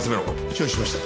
承知しました。